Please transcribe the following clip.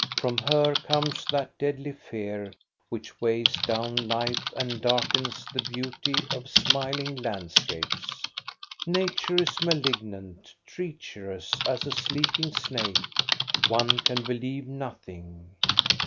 From her comes that deadly fear which weighs down life and darkens the beauty of smiling landscapes. Nature is malig nant, treacherous as a sleeping snake ; one can be lieve nothing.